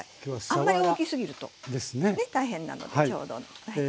あんまり大きすぎると大変なのでちょうどはい。